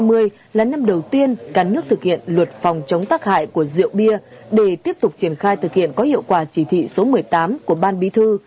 năm hai nghìn hai mươi là năm đầu tiên cả nước thực hiện luật phòng chống tác hại của rượu bia để tiếp tục triển khai thực hiện có hiệu quả chỉ thị số một mươi tám của ban bí thư